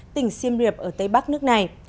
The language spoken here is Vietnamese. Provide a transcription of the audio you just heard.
tỉnh siem reap ở tây bắc nước này